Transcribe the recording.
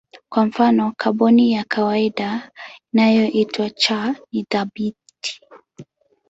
Kwa mfano kaboni ya kawaida inayoitwa C ni thabiti.